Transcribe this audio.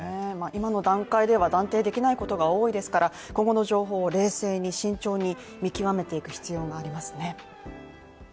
今の段階では断定できないことが多いですから今後の情報を冷静に慎重に見極めていく必要がありますね。